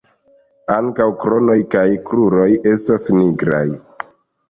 Ankaŭ krono kaj kruroj estas nigraj.